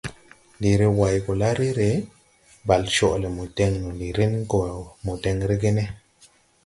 Ndi re Way go la re re, Bale coʼ le mo deŋ no, ndi ren go mo deŋ re ge ne?